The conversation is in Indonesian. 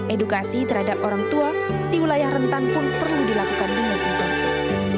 edukasi terhadap orang tua di wilayah rentan pun perlu dilakukan dengan intensif